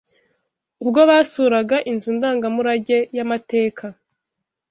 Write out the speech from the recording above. Ubwo basuraga inzu ndangamurage y’amateka